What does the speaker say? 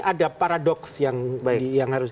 ada paradoks yang